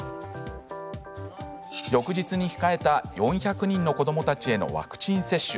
翌日に控えた４００人の子どもたちへのワクチン接種。